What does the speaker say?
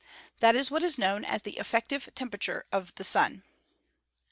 That is what is known as the "effective tempera ture" of the Sun.